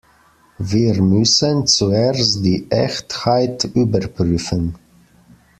Wir müssen zuerst die Echtheit überprüfen.